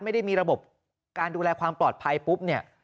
ไม่ได้มีระบบการดูแลความปลอดภัยปุ๊บเนี่ย